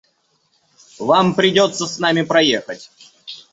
Вам придется с нами проехать.